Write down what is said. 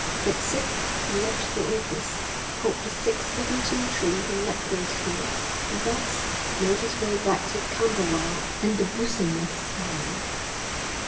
At six he left the office, caught the six seventeen train from Ludgate Hill, and thus made his way back to Camberwell and the bosom of his family.